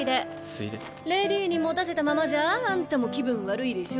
レディーに持たせたままじゃあんたも気分悪いでしょ。